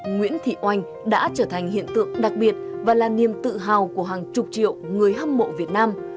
nguyễn thị oanh đã trở thành hiện tượng đặc biệt và là niềm tự hào của hàng chục triệu người hâm mộ việt nam